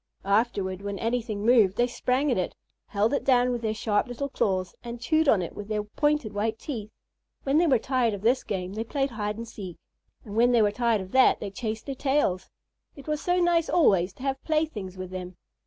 Afterward, when anything moved, they sprang at it, held it down with their sharp little claws, and chewed on it with their pointed white teeth. When they were tired of this game, they played hide and seek, and when they were tired of that they chased their tails. It was so nice always to have playthings with them.